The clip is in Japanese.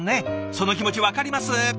その気持ち分かります。